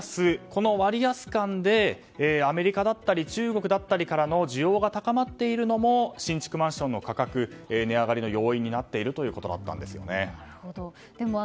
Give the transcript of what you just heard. この割安感で、アメリカだったり中国だったりからの需要が高まっているのも新築マンションの価格値上がりの要因となっているということだったんですね。